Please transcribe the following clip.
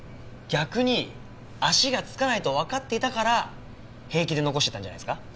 逆に足がつかないとわかっていたから平気で残してたんじゃないですか？